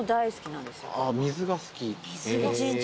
水が好き？